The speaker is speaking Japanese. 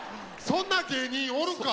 そんな芸人おるか！